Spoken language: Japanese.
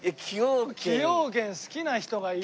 崎陽軒好きな人がいる。